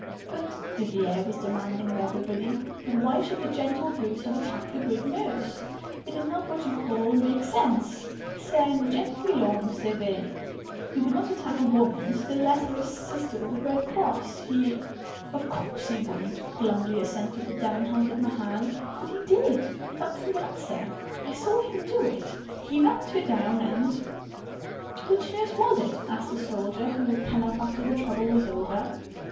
"But," Vivier was demanding of everybody, "but why should the gentle Bruce have attacked a good nurse? It is not what you call 'make sense.' C'est un gentilhomme, ce vieux! He would not attack a woman less still a sister of the Red Cross. He " "Of course he wouldn't," glumly assented the downhearted Mahan. "But he DID. That's the answer. I saw him do it. He knocked her down and " "Which nurse was she?" asked a soldier who had come up after the trouble was over.